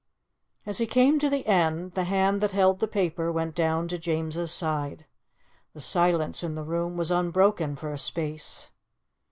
As he came to the end, the hand that held the paper went down to James's side. The silence in the room was unbroken for a space.